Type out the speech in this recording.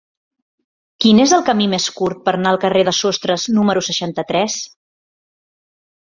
Quin és el camí més curt per anar al carrer de Sostres número seixanta-tres?